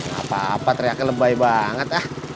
gapapa teriaknya lebay banget ah